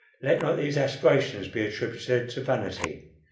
Let not these aspirations be attributed to vanity.